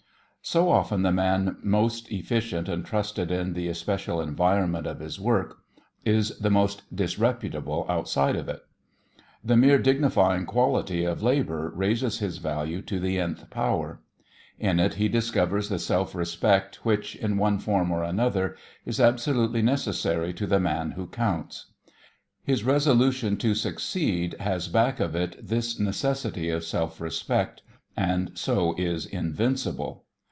So often the man most efficient and trusted in the especial environment of his work is the most disreputable outside it. The mere dignifying quality of labour raises his value to the nth power. In it he discovers the self respect which, in one form or another, is absolutely necessary to the man who counts. His resolution to succeed has back of it this necessity of self respect, and so is invincible.